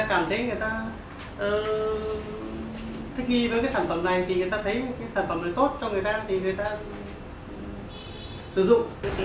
người ta cảm thấy người ta thích nghi với sản phẩm này thì người ta thấy sản phẩm này tốt cho người ta thì người ta sử dụng